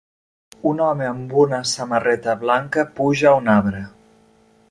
Un home amb una samarreta blanca puja a un arbre.